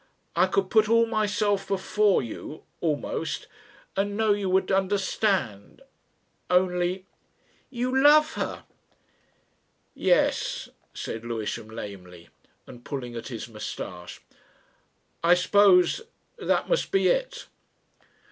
I could put all myself before you almost and know you would understand Only " "You love her." "Yes," said Lewisham lamely and pulling at his moustache. "I suppose ... that must be it."